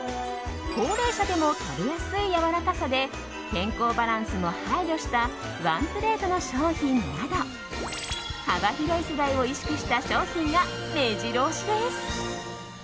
高齢者でも食べやすいやわらかさで健康バランスも配慮したワンプレートの商品など幅広い世代を意識した商品が目白押しです。